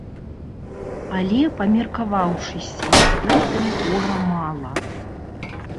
Але, памеркаваўшыся, й з гэтым гора мала.